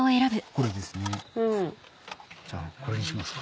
これにしますか？